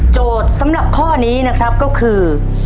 โจทย์สำหรับข้อนี้นะครับก็คือ